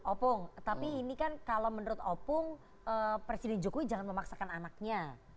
opung tapi ini kan kalau menurut opung presiden jokowi jangan memaksakan anaknya